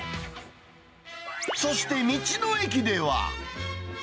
そして道の駅では。